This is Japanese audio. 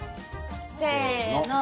せの！